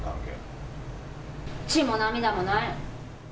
血も涙もない。